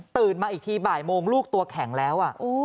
มาอีกทีบ่ายโมงลูกตัวแข็งแล้ว